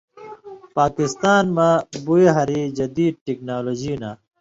پاکستان مہ ہُویں ہَریۡ جدید ٹیکنالوجی نہ